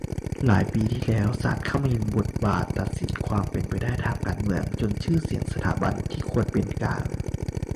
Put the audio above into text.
หลายปีที่แล้ว ศาลเข้ามามีบทบาทตัดสินความเป็นไปทางการเมือง จนชื่อเสียงสถาบันที่ควรเป็นกลาง